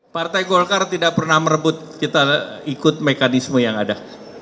partai golkar tidak pernah merebut kita ikut mekanisme yang ada